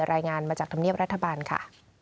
รายงานมาจากธรรมเนียบรัฐบาลค่ะ